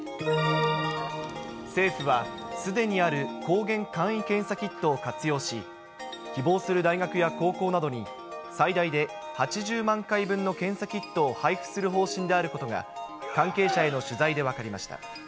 政府は、すでにある抗原簡易検査キットを活用し、希望する大学や高校などに、最大で８０万回分の検査キットを配布する方針であることが、関係者への取材で分かりました。